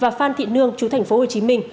và phan thị nương chú thành phố hồ chí minh